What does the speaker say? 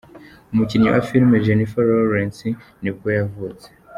Umukinnyi wa filime Jennifer Lawrence ni bwo yavutse.